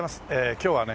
今日はね